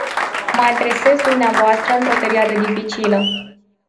Mă adresez dumneavoastră într-o perioadă dificilă.